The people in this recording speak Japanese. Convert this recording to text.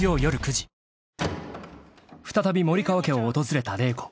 ［再び森川家を訪れた麗子］